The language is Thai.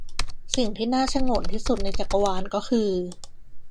สิ่งที่น่าฉงนที่สุดในจักรวาลก็คือ